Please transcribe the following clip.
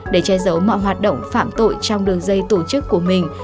để che giấu mọi hoạt động phạm tội trong đường dây tổ chức của mình